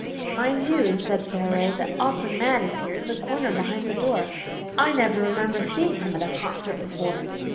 "Mind you," said Sara Ray, "the Awkward Man is here in the corner behind the door. I never remember seeing him at a concert before."